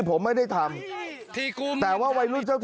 ประเภทประเภทประเภท